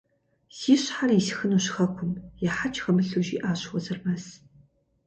Си щхьэр исхынущ хэкум! – ехьэкӀ хэмылъу жиӀащ Уэзырмэс.